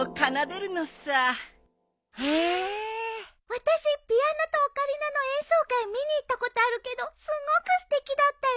私ピアノとオカリナの演奏会見に行ったことあるけどすごくすてきだったよ。